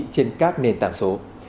trên các nền tảng số